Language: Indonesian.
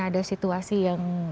ada situasi yang